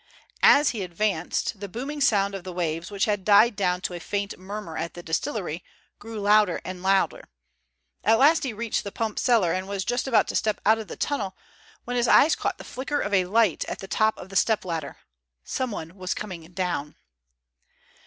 As he advanced, the booming sound of the waves, which had died down to a faint murmur at the distillery, grew louder and louder. At last he reached the pump cellar, and was just about to step out of the tunnel when his eye caught the flicker of a light at the top of the step ladder. Someone was coming down!